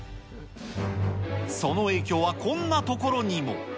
その影響はこんなところにも。